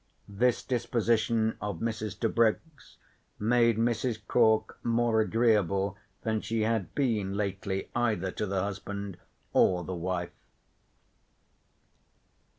This disposition of Mrs. Tebrick's made Mrs. Cork more agreeable than she had been lately either to the husband or the wife.